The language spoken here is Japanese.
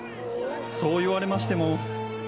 そう言われましても。